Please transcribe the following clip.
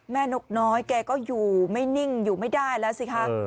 นกน้อยแกก็อยู่ไม่นิ่งอยู่ไม่ได้แล้วสิคะ